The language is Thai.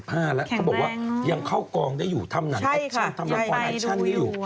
เขาบอกว่ายังเข้ากองได้อยู่ทำรันอออสชั่นทำรัคอลไนชั่นได้อยู่